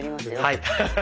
はい。